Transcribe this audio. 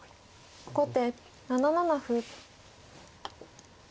後手７七歩。